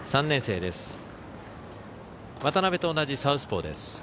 ３年生です。